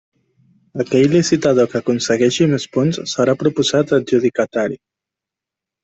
Aquell licitador que aconsegueixi més punts serà proposat adjudicatari.